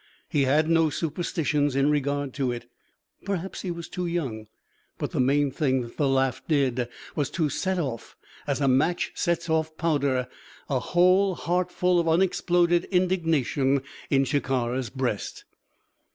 He had no superstitions in regard to it. Perhaps he was too young. But the main thing that the laugh did was to set off, as a match sets off powder, a whole heartful of unexploded indignation in Shikara's breast.